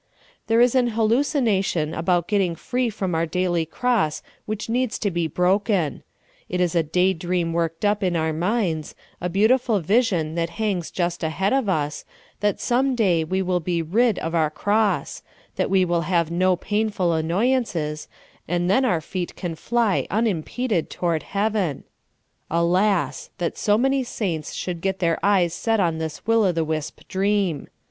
There is an hallucination about getting free from our dail}^ cross which needs to be broken ; it is a day dream worked up in our minds, a beautiful vision that hangs just ahead of us, that some day we will be rid of our cross, that we will have no painful annoyances, and then our feet can ^y unimpeded toward heaven. Alas ! that so man}^ saints should get their e3 es set on this will o' the wisp dream.